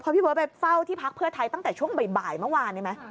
พี่เบิร์ตไปเฝ้าที่พักเพื่อไทยตั้งแต่ช่วงบ่ายเมื่อวานนี้ไหม